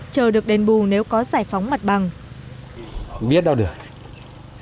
chờ được đền bù nếu có giải phóng mặt bằng